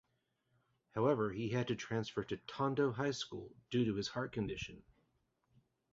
However he had to transfer to Tondo High School due to his heart condition.